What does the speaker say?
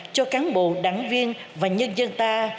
cho cán bộ đảng viên và nhân dân ta